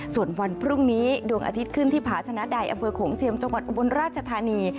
ส่วนวันพรุ่งนี้ดวงอาทิตย์ขึ้นที่ผาชนะใดอำเภอโขงเจียมจังหวัดอุบลราชธานี